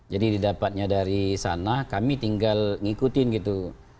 jadi didapatnya dari sana kami tinggal ngikutin gitu